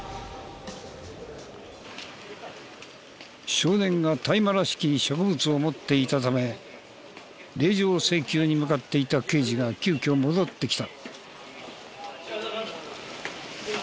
少年が大麻らしき植物を持っていたため令状を請求に向かっていた刑事が急きょ戻ってきた。